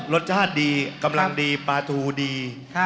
รสชาติดีกำลังดีปลาทูดี